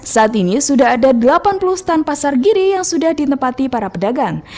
saat ini sudah ada delapan puluh stand pasar giri yang sudah ditepati para pedagang